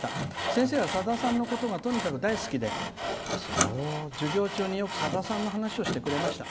先生は、さださんのことがとにかく大好きで授業中によくさださんの話をよくしてくれました。